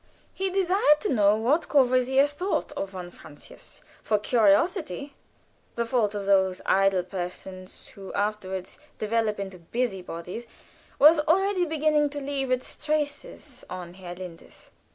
He desired to know what Courvoisier thought of von Francius; for curiosity the fault of those idle persons who afterward develop into busybodies was already beginning to leave its traces on Herr Linders.